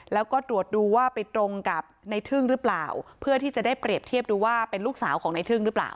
แล้วก็ตรวจดูว่าไปตรงกับในทึ่งหรือเปล่าเพื่อที่จะได้เปรียบเทียบดูว่าเป็นลูกสาวของในทึ่งหรือเปล่า